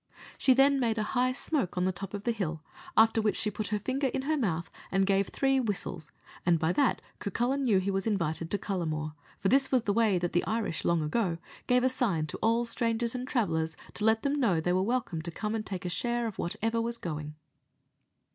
She then made a high smoke on the top of the hill, after which she put her finger in her mouth, and gave three whistles, and by that Cucullin knew he was invited to Cullamore for this was the way that the Irish long ago gave a sign to all strangers and travellers, to let them know they were welcome to come and take share of whatever was going.